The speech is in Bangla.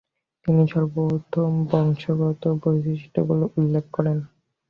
তিনি সর্বপ্রথম বংশগত বৈশিষ্ট্য বলে উল্লেখ করেন।